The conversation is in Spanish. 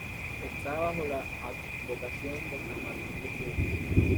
Está bajo la advocación de San Martín de Tours.